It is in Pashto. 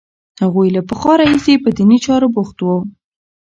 هغوی له پخوا راهیسې په دیني چارو بوخت وو.